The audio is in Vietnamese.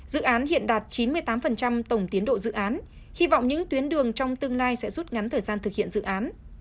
dự án hiện đạt chín mươi tám tổng tiến độ dự án hy vọng những tuyến đường trong tương lai sẽ rút ngắn thời gian thực hiện dự án